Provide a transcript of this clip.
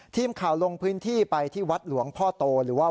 ทีมข่าวลงพื้นที่ไปที่วัดหลวงพ่อโตหรือว่า